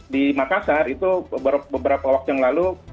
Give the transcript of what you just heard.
di makassar itu beberapa waktu yang lalu